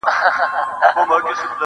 راته يادېږې شپه كړم څنگه تېره